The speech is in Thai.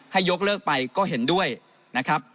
ยกเลิกไปก็เห็นด้วยนะครับ